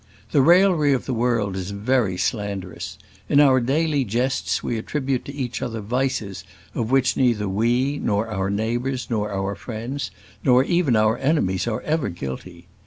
The raillery of the world is very slanderous. In our daily jests we attribute to each other vices of which neither we, nor our neighbours, nor our friends, nor even our enemies are ever guilty.